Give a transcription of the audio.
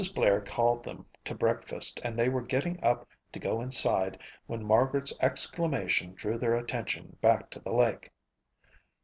Blair called them to breakfast and they were getting up to go inside when Margaret's exclamation drew their attention back to the lake.